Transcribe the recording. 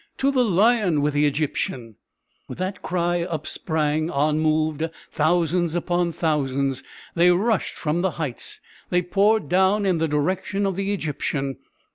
To the lion with the Egyptian!" With that cry up sprang, on moved, thousands upon thousands. They rushed from the heights; they poured down in the direction of the Egyptian.